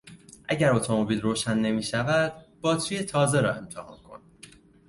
اگر اتومبیل روشن نمیشود، باتری تازه را امتحان کن.